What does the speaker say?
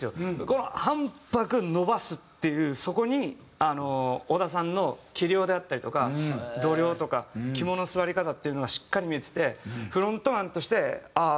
この半拍伸ばすっていうそこに小田さんの器量であったりとか度量とか肝の据わり方っていうのがしっかり見えててフロントマンとしてああ